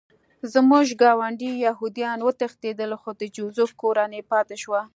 زموږ ګاونډي یهودان وتښتېدل خو د جوزف کورنۍ پاتې شوه